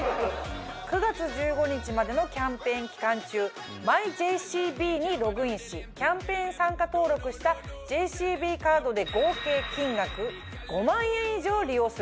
９月１５日までのキャンペーン期間中「ＭｙＪＣＢ」にログインしキャンペーン参加登録したＪＣＢカードで合計金額５万円以上利用すること。